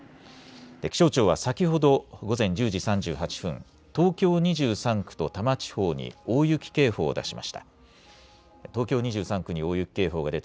気象庁は先ほど午前１０時３８分、東京２３区と多摩地方に大雪警報を出しました。